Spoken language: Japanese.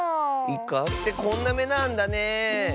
イカってこんなめなんだね。